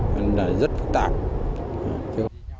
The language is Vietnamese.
nên là rất phức tạp